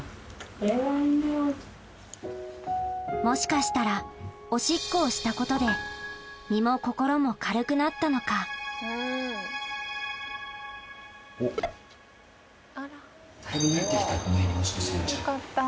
もしかしたらおしっこをしたことで身も心も軽くなったのかおっ。